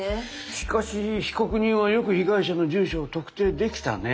しかし被告人はよく被害者の住所を特定できたね。